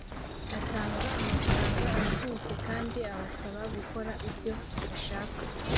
atanga amafaranga ashyushye kandi abasaba gukora ibyo bashaka.